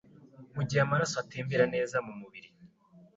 Mu gihe amaraso atembera neza mu mubiri,